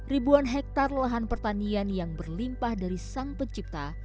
ribuan hektare lahan pertanian yang berlimpah dari sang pencipta